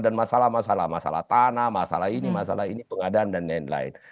dan masalah masalah masalah tanah masalah ini masalah ini pengadaan dan lain lain